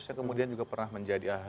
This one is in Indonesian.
yang kemudian juga pernah menjadi ahli